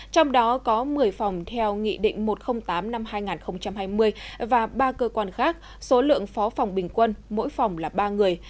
trong đó có một mươi phòng theo nghị định một trăm linh tám năm hai nghìn hai mươi và ba cơ quan khác số lượng phó phòng bình quân mỗi phòng là ba người